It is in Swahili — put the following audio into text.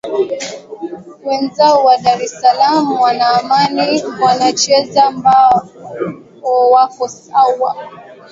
wanzao wa dar es salam wana amani wanacheza mbao wako sawa